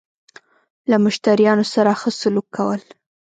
له مشتريانو سره خه سلوک کول